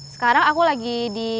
sekarang aku lagi di